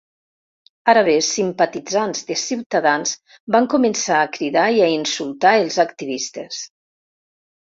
Ara bé, simpatitzants de ciutadans van començar a cridar i a insultar els activistes.